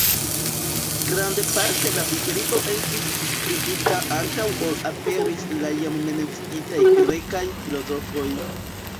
Grandparte la biblio estis skribita antaŭ ol aperis la jam menciitaj grekaj filozofoj.